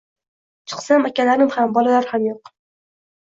Chiqsam, akalarim ham, bolalar ham yo‘q.